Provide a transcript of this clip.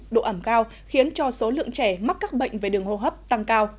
độ ẩm cao khiến cho số lượng trẻ mắc các bệnh về đường hô hấp tăng cao